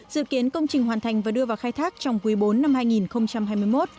dự kiến công trình hoàn thành và đưa vào khai thác trong quý bốn năm hai nghìn hai mươi một